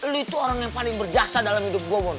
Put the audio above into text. lo itu orang yang paling berjasa dalam hidup gue mon